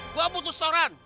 gua butuh setoran